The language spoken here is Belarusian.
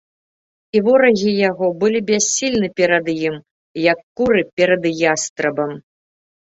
І ворагі яго былі бяссільны перад ім, як куры перад ястрабам.